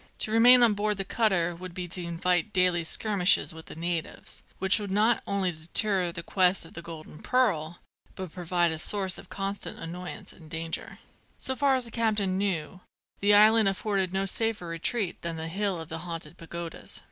To remain on board the cutter would be to invite daily skirmishes with the natives, which would not only deter the quest of the golden pearl, but prove a source of constant annoyance and danger. So far as the captain knew, the island afforded no safer retreat than the hill of the Haunted Pagodas.